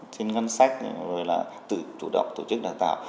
trên ngân sách rồi là tự chủ động tổ chức đào tạo